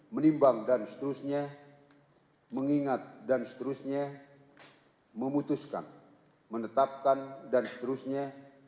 menimbang dan seterusnya mengingat dan seterusnya memutuskan menetapkan dan seterusnya